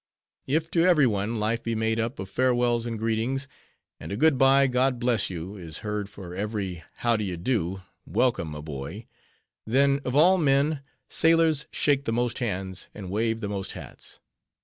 If to every one, life be made up of farewells and greetings, and a "Good by, God bless you," is heard for every _"How d'ye do, welcome, my boy"—_then, of all men, sailors shake the most hands, and wave the most hats.